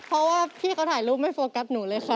เพราะว่าพี่เขาถ่ายรูปไม่โฟกัสหนูเลยค่ะ